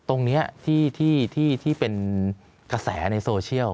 ตรงนี้ที่เป็นกระแสในโซเชียล